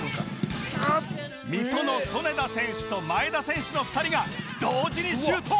水戸の曽根田選手と前田選手の２人が同時にシュート！